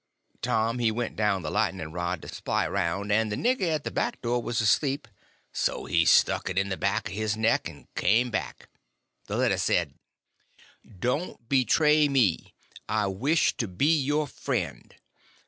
Tom he went down the lightning rod to spy around; and the nigger at the back door was asleep, and he stuck it in the back of his neck and come back. This letter said: Don't betray me, I wish to be your friend.